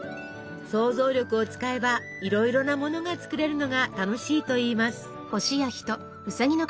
想像力を使えばいろいろなものが作れるのが楽しいといいます。